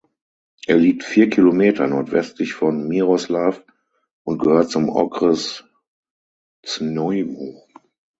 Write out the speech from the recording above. Er liegt vier Kilometer nordwestlich von Miroslav und gehört zum Okres Znojmo.